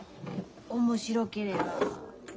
面白ければ。